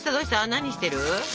何してる？